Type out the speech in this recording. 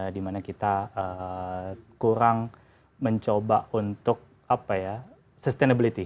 dimana kita kurang mencoba untuk apa ya sustainability